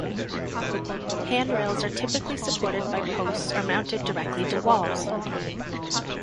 Handrails are typically supported by posts or mounted directly to walls.